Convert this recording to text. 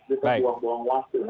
itu bisa buang buang waktu